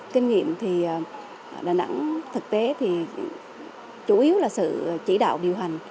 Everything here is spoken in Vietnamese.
kinh nghiệm thì đà nẵng thực tế thì chủ yếu là sự chỉ đạo điều hành